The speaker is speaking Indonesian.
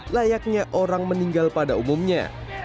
layaknya orang meninggal pada umumnya